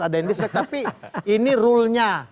ada yang distrik tapi ini rule nya